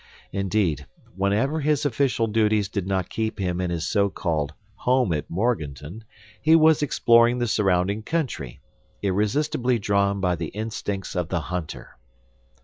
Indeed, whenever his official duties did not keep him in his so called home at Morganton, he was exploring the surrounding country, irresistibly drawn by the instincts of the hunter.